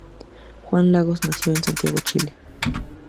Juan Lagos nació en Santiago de Chile.